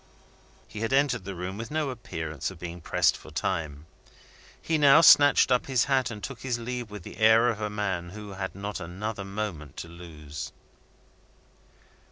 He had entered the room with no appearance of being pressed for time. He now snatched up his hat, and took his leave with the air of a man who had not another moment to lose.